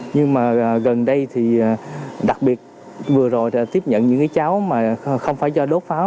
nhưng gần đây đặc biệt vừa rồi tiếp nhận những cháu không phải do đốt pháo